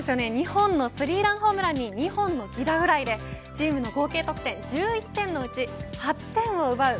２本のスリーランホームランに２本の犠牲フライでチームの合計得点１１点のうち８点を奪う